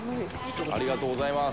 ありがとうございます」